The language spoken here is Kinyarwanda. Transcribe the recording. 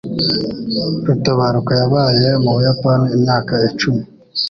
Rutabaruka yabaye mu Buyapani imyaka icumi.